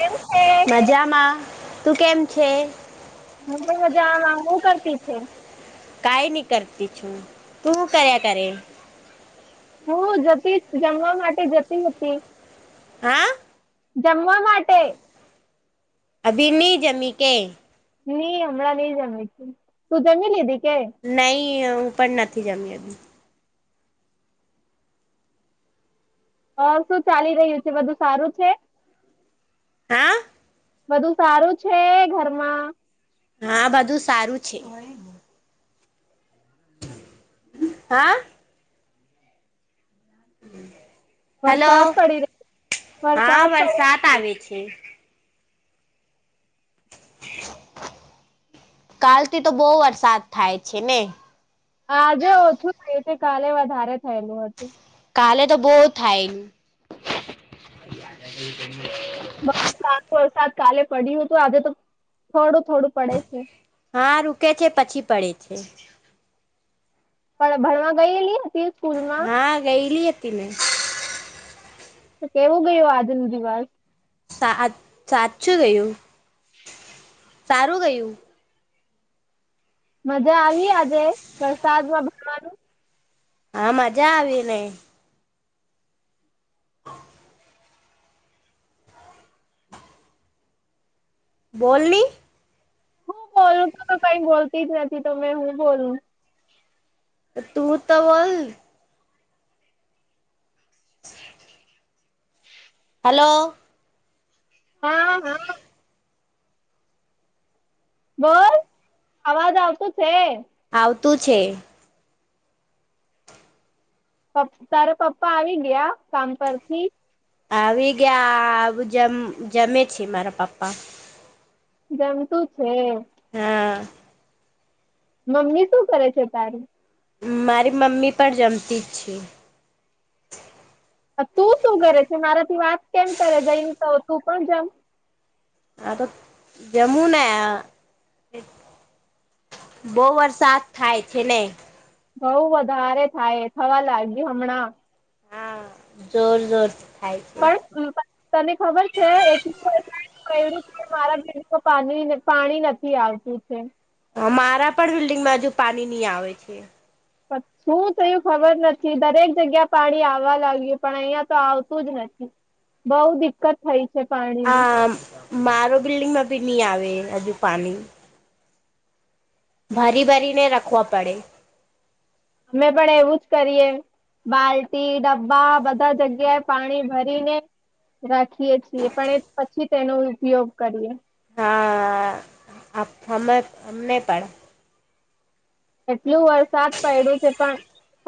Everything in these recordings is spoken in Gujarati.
કેમ છે હલો મજામાં તું કેમ છે. મે પણ મજા આ હુ કરતી છે. કાંઈ નહી કરતી છું, તું હુ કર્યા કરે. હું જતી જમવા માટે જતી હતી. હા. જમવા માટે અભિની જમી કે નહી, હમણાં નઈ જમે છે, તુ જમે લીધી કે નહી હુ, પણ નથી જમ્યો હ, શું ચાલી રહ્યું છે, બધુ સારું છે. હા બધું સારું છે, ઘરમા હા, બધું સારુ છે. હા હુ હેલો, વરસાદ પડી રહ્યો હા પડ વરસાદ આવે છે. કાલ થી તો બહુ વરસાદ થાય છે, ને આજે ઓછું થયું છે, કાલે વધારે થયેલું હતું. કાલે તો બહુ થાય. બ સા વરસાદ કાલે પડ્યું હતું આજે તો થોડું થોડું પડે છે. હા રૂકે છે, પછી પડે છે. પણ ભણવા ગયેલી. હતી સ્કૂલમાં હા ગયલી હતી મેને તો કેવું ગયું આજ નુ દિવસ. સા સાચું ગયું સારું ગયું. મજા આવી આજે વરસાદમાં ભણવાનું હા મજા આવી ને બોલની હું બોલું તો કંઈ બોલતી જ નથી તમે હું બોલું. તું તો બોલ. [inaudible] [inaudible] હેલો. હા, હા, બોલ અવાજ આવતું છે. ખોટું છે. પણ તારા પપ્પા આવી ગયા કામ પરથી આવી ગયા જમ જમે છે, મારા પપ્પા જમતું છે હા મમ્મી શું કરે છે તારી? મારી મમ્મી પણ જમતી જ છે. તું શું કરે છે મારાથી વાત કેમ કરે જઈને તો તુ પણ જમ. હા તો જમુને બહુ વરસાદ થાય છે ને બહુ વધારે થાય થવા લાગ્યું હમણાં. હા, જોર જોર થાય છે પણ પાકતાને ખબર છે કું કે મારા બડ પા પાણી નથી આવતું છે. હ મારા પણ બિલ્ડિંગમાં હજુ, પાણી નહી. આવે છે. શું થયું ખબર નથી, દરેક જગ્યા પાણી આવવા લાગ્યું પણ ઐયા તો આવતું જ નથી બહુ, દિકકત થઈ. છે પાણીની આ મારો બિલ્ડિંગમા ભી નહી, આવે હજુ પાણી ભારી, ભરીને રાખવા પડે. અમે પણ એવુજ, કરીએ બાલટી ડબ્બા, બધા જગ્યાએ પાણી ભરીને રાખીએ છીએ પણ, એ પછી તેનો ઉપયોગ કરીએ હા, અમે અમને પણ એટલું વરસાદ પડ્યો છે, પણ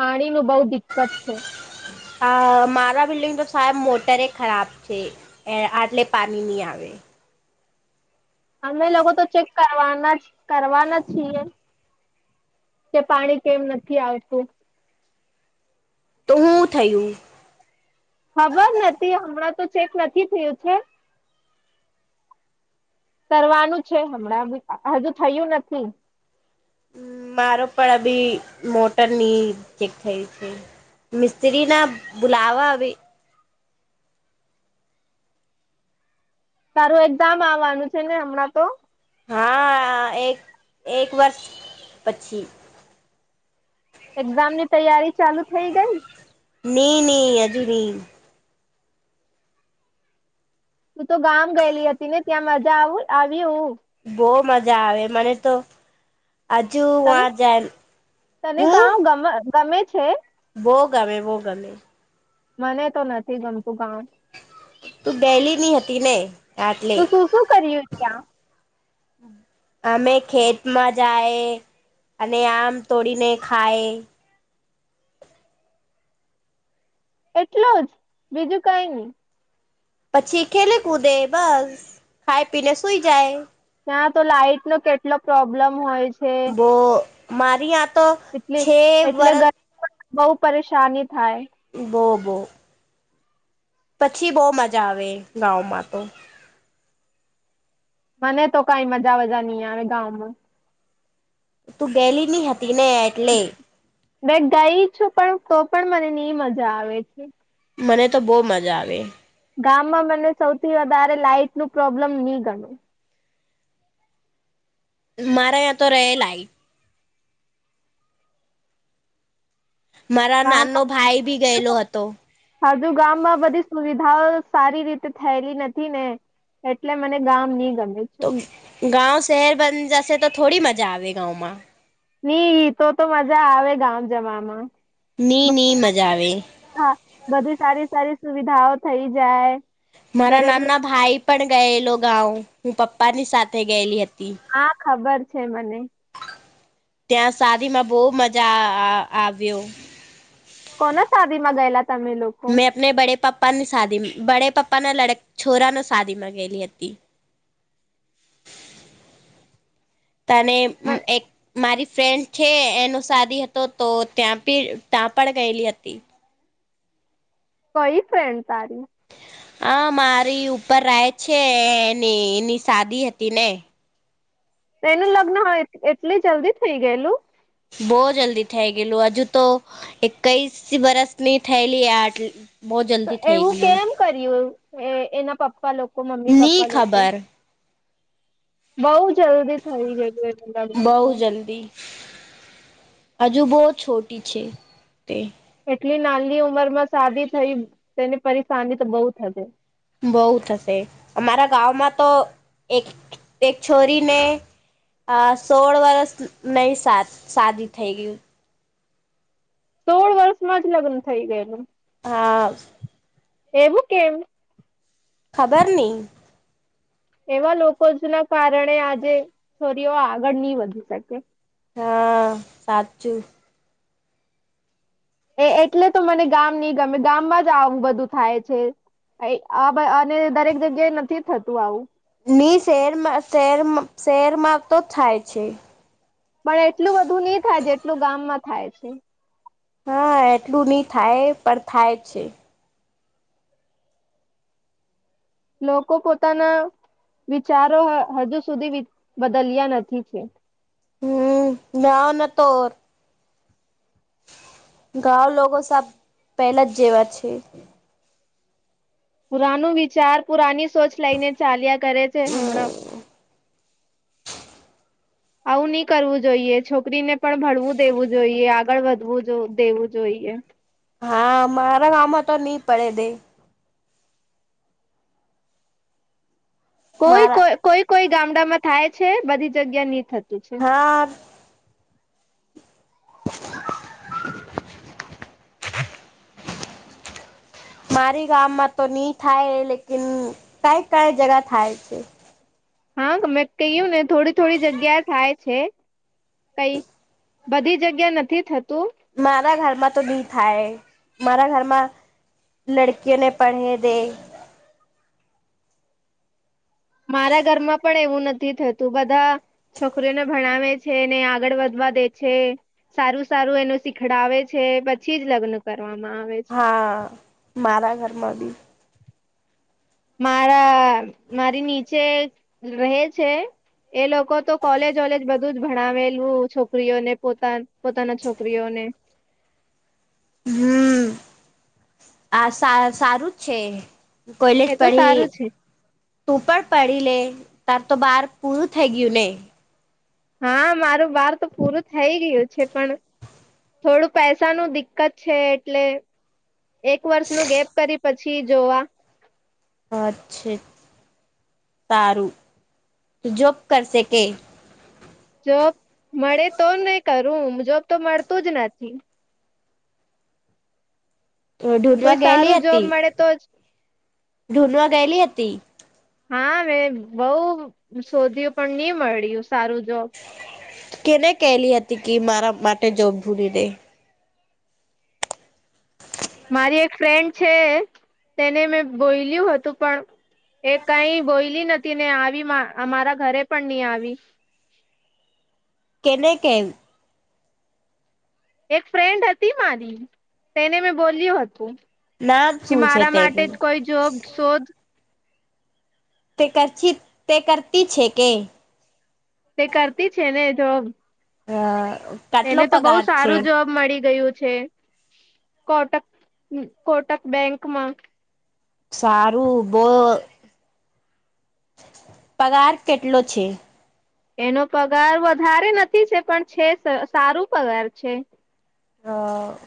પાણી નું બહુ દિકકત છે. આ મારા બિલ્ડિંગ તો શાયદ મોટરે ખરાબ છે, આટલે પાણી નહી આવે. અમે લોકો તો ચેક કરવાના કરવાના છીએ કે પાણી કેમ નથી આવતું તો હું થયું ખબર નથી હમણાં તો ચેક નથી થયું છે કરવાનું છે હમણાં હજુ થયું નથી મારો પણ અભી મોટર ની ચેક થઈ છે. મિસ્ત્રી ના બુલાવા તારું એક્ઝામ આવવાનું છે ને હમણાં તો હા, એક એક વર્ષ પછી એક્ઝામ, ની તૈયારી ચાલુ થઇ ગઈ? ની, ની અજુ ની. તું તો ગામ ગયેલી હતી, ને ત્યાં મજા આવ આવી હું? બહુ મજા આવે મને તો હજુ તને વાર જાય, તને હું? ગાવ ગમે ગમે છે. બોગમે, બોગમે. મને તો નથી ગમતું ગામ તું બેહેલી ની હતી, ને આટલે તું શું, શું કર્યુ ત્યા? અમે ખેતમાં જાય, અને આમ તોડીને ખાય એટલું જ, બીજું કઈ નઈ? પછી ખેલે કૂદે બસ ખાય પીલે સુઈ જાય ત્યા તો લાાઈટ, નો કેટલો પ્રોબ્લેમ હોય જ બોહ, મારી યા તો એટલે છે. એટલે વરષ બહુ પરેશાની થાય બો બો. પછી, બહુ મજા આવે ગામમાં તો મને તો કઈ મજા વજા નહી, આવે ગામમા તુ ગેલી ન હતી, ને એટલે બે ગઈ છુ, પણ તો પણ મને હ મજા આવે છે. મને તો બહુ મજા આવે ગામમા, મને સૌથી વધારે લાાઈટનુ પ્રોબ્લમ ની ગણુ મારા યાં તો રહે લાઈટ મારા ગામ નાનો ભાઈ બી ગયેલો હતો [unintelligible] હજુ ગામમાં બધી સુવિધાઓ સારી, રીતે થયેલી નથી ને એટલે મને ગામ ની ગમે તો છે ગાવ શહેર, બન જશે તો થોડી મજા આવે ગાંમા ઈ તો તો મજા, આવે ગામ જવામા ની ની મજા આવે હા, બધી સારી -સારી સુવિધાઓ થઈ જાય. મારા દરેક નાના ભાઈ પણ ગયેલો ગાઉ હું પપ્પાની સાથે ગયેલી, હતી. હા, ખબર છે, મને ત્યાં શદીમા, બહુ મજા આવ્યો કોના શાદીમા ગયેલા તમે લોકો? મેં આપને બડે પાપા પપ્પાની શાદી બડે પપ્પાના લડક છોરા ન શાદી માં ગયેલી હતી. તને એક મારી ફ્રેન્ડ છે, એનો સાદી હતો તો ત્યાં બી ત્યાં પણ ગયેલી હતી કઈ ફ્રેન્ડ તારી આ મારી ઉપર રહે છે. એની એની શાદી હતી ને એનું લગ્ન હ એટલી જલ્દી થઈ, ગયેલુ બહુ, જલ્દી થઇ લું, હજુ તો એકઈસ વરષની થયેલી આટ તો એવુ, કેમ કર્યું એના પપ્પા લોકો મમ્મી ની પપ્પા લોકો ખબર બઉ, જલ્દી થઇ ગયુ બહું જલ્દી હજુ બહુ છોટી છે, તે એટલી નાની ઉંમરમા સાદીી થઈ, તેની પરેશાની તો બહુ થશે બહ થશે અમારા ગામંમા તો એક-એક છોરીને અ સોળ, વર્ષ મે શાદી થઈ ગયુ સોળ વર્ષમાં જ લગ્ન થઈ ગયેલુ હા એવુ, કેમ ખબર નઈ એવા લોકો જ ના કારણે, આજે છોરીઓ આગળ નહી વધી શકે હા સાચુ એ એટલે તો મને ગામ નહ ગમે ગામમાં જ આવું બધું થાય છે. આ અને દરેક જગ્યાએ નથી. થતું આવુ ની શેરમાં શેર શેરમાં તો થાય છે. પણ એટલ બધુ નહી, થાય જેટલું ગામમાં થાય છે. હા એટલું નહી, થાય પણ થાય છે. લોકો પોતાના વિચારો હજુ સુધી બદલ્યા નથી છે. હમ, મે ઓ ના તોર ગાઉ લોકો સાબ પેલા જ જેવા છે. પુરાનું વિચાર પુરાની સોચ લઈને ચાલ્યા કરે છે, હમ હમણા આવું નહી કરવું જોઈએ છોકરીને, પણ ભણવું દેવું જોઈએ આગળ વધવું દેવું જોઈએ યે હા, મારા આમાં તો નહી પડે દે કોઈ મારા કો કોઈ કોઈ ગામડામાં થાય છે, બધી જગ્યા નહી થતી હાસ અઅ મારી ગામમા તો ની થાય લેકિન કઈ, કઈ જગા થાય છે. હાંગ, મેં કહ્યું ને થોડી થોડી જગ્યાએ થાય છે. કઈ બધી જગ્યાએ નથી થતુ મારા ઘરમા, તો ની થાય મારા ઘરમા લડકિયોને પઢે દેય મારા ઘરમાં પણ એવું નથી, થતું બધા છોકરીઓને ભણાવે છેને, આગળ વધ વા દે છે, સારુ-સારુ એનું શીખડાવે છે, પછી જ લગ્ન ક હા, મારા ઘરમા બી મારા મારી નીચે રહે છે. એ લોકો, તો કોલેજ વલેજ બ બધું જ ભણાવેલુ, છોકરીઓને પોતા પોતાના છોકરીઓને હમ, આ સા સારું જ છે. કોલેજ એ તો પઢી, સારું છે તુ પણ પઢી લે તાર તો બાર પૂરુ થઈ ગયુ, ને હા, મારું બાર તો પૂરું થઈ ગયુ છે, પણ થોડું પૈસા નું દિક્કત છે, એટલે એક વર્ષનુ ગેપ, કરી પછી જોવા અચ્છી તારું જોપ કરશે કે જોબ મળે તો નઈ કરુ, જોબ તો મળતું જ નથી. હુ ઢૂંઢવા કોઈ ગયેલી સારું જોબ હતી મળે તો જ ઢૂઢવા ગયેલી હતી હા, મેં બઉ શોધ્યું પણ નહી મળ્યુ કેને કેલી હતી, કે મારા માટે જો ભૂલી દે મારી એક ફ્રેન્ડ છે, તેને મેં બોલ્યું હતુ પણ એ કઈ બોયલી નથી ને આવીમા, અમારા ઘરે પણ નઈ આવી કેને, કેવ એક ફ્રેન્ડ હતી મારી તેને મેં બોલ્યું હતુ નામ કે શું છે મારા માટે તેનું જ કોઈ જોબ શોધ તે કર છી, તે કરતી છે, કે તે કરતી છેને, જોબ હા એને તો બહુ સારુ, જોબ મળી ગયુ છે. કોટ, અં કોટક બેંકમા સારુ, બહ પગાર કેટલો છે. એનો પગાર વધારે નથી છે, પણ છે, સ સારું પગાર છે. અ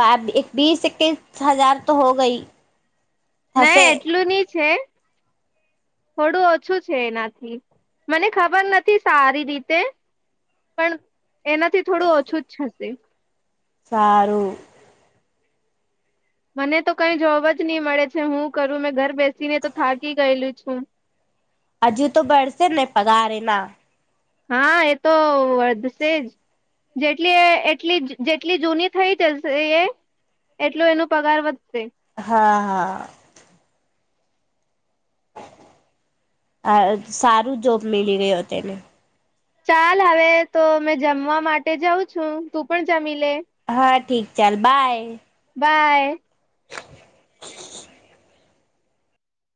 બાર એક બીસ એકકીસ હજાર, તો હો ગઈ ના હશે એટલું ની છે. થોડું ઓછું છે, એનાથી મને ખબર નથી. સારી રીતે પણ એનાથી થોડુ, ઓછુ જ જશે સારુ મને તો કઈ જોબ જ નહી, મળે છે, હુ કરુ મેં ઘર બેસીને તો થાકી ગયેલું છુ હજુ, તો ભરસે જ ને પગાર એના હા, એ તો વધશે જ જેટલી એટલી જેટલી જૂની થઈ જશે એ એટલું એનું પગાર વધશે. હા, હા. અહ સારુ, જોબ મીલી ગયો તેને. ચાલ હવે, તો મેં જમવા માટે જાઉં છું. તું પણ જમી લે હા, ઠીક ચાલ બાય બાય [inaudible]